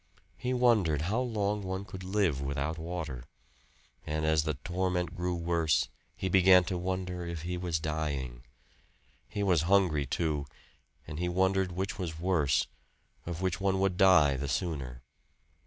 He wondered how long one could live without water; and as the torment grew worse he began to wonder if he was dying. He was hungry, too, and he wondered which was worse, of which one would die the sooner.